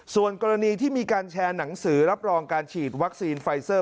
ส่วนกรณีที่มีการแชร์หนังสือรับรองการฉีดวัคซีนไฟเซอร์